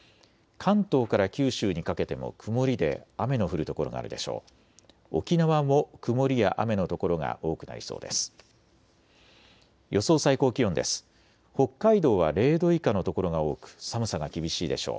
関東から九州にかけても曇りで雨の降る所があるでしょう。